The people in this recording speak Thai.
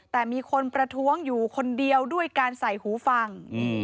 แต่มีคนประท้วงอยู่คนเดียวด้วยการใส่หูฟัง